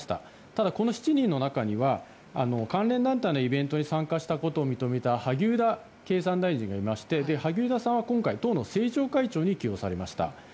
ただ、この７人の中には関連団体のイベントに参加したことを認めた萩生田経産大臣がいまして萩生田さんは党の政調会長に起用されました。